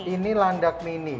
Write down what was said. ini landak mini